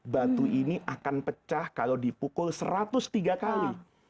batu ini akan pecah kalau dipukul satu ratus tiga kali